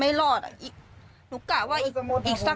ไม่เคยไม่เคยไม่เคย